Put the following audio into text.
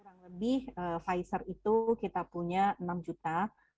kurang lebih pfizer itu kita punya enam juta